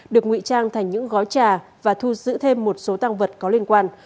được ngụy trang thành những gói trà và thu giữ thêm một số tăng vật có liên quan